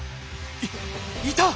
いいた！